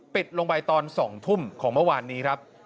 ปิดลงไปตอน๒ทุ่มของเมื่อวานนี้ครับ